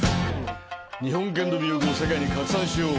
日本犬の魅力を世界に拡散しよう。